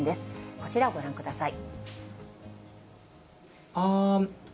こちらご覧ください。